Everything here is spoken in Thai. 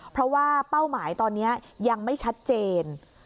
เพราะว่าเป้าหมายตอนนี้ยังไม่ชัดเจน